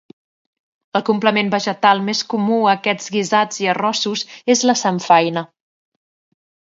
el complement vegetal més comú a aquests guisats i arrossos és la samfaina